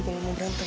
kalau mau berantem